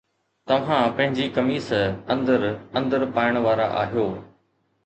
توهان پنهنجي قميص اندر اندر پائڻ وارا آهيو